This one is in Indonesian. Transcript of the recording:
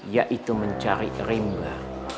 yaitu mencari rimba